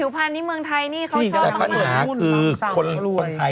พินิกผิวพันธุ์อุณหรือไง